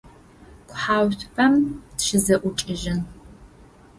Къухьэуцупӏэм тыщызэӏукӏэжьын.